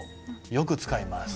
よく使います。